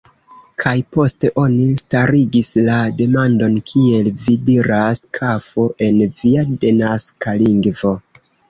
Kaj poste oni starigis la demandon, kiel vi diras "kafo" en via denaska lingvo.